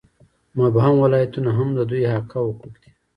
مبهم ولایتونه هم د دوی حقه حقوق دي.